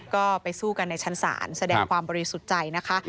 ก็ไปสู้กันในชั้นศาลแสดงความบริสุทธิ์ใจนะคะ